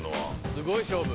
すごい勝負。